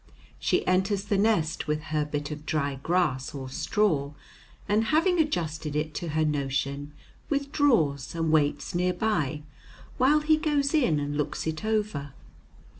She enters the nest with her bit of dry grass or straw, and, having adjusted it to her notion, withdraws and waits near by while he goes in and looks it over.